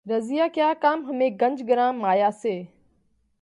رضیہؔ کیا کام ہمیں گنج گراں مایہ سے